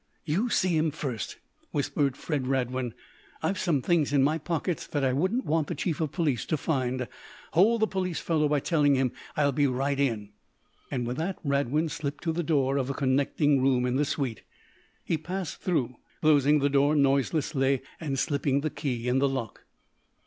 "You see him first," whispered Fred Radwin. "I've some things in my pockets that I wouldn't want the chief of police to find. Hold the police fellow by telling him I'll be right in." With that Radwin slipped to the door of a connecting room in the suite. He passed through, closing the door noiselessly and slipping the key in the lock.